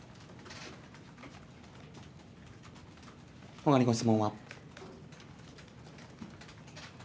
ほかにご質問は。